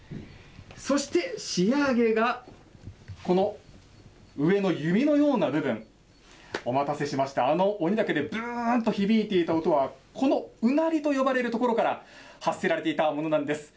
そして仕上げが、この上の弓のような部分、お待たせしました、あの鬼岳でぶーんと響いていた音はこのうなりと呼ばれる所から発せられていたものなんです。